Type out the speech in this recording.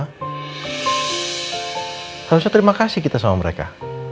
harusnya terima kasih kita sama mereka